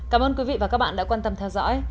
cảm ơn quý vị và các bạn đã quan tâm theo dõi